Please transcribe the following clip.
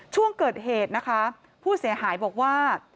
ช่วงเกิดเหตุนะคะผู้เสียหายบอกว่า